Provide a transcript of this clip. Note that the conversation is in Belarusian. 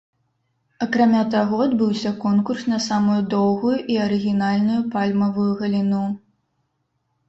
Акрамя таго адбыўся конкурс на самую доўгую і арыгінальную пальмавую галіну.